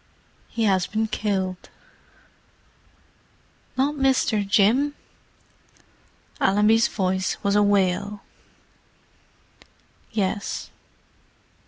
He has been killed." "Not Mr. Jim?" Allenby's voice was a wail. "Yes."